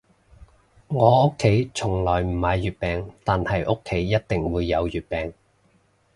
我屋企從來唔買月餅，但係屋企一定會有月餅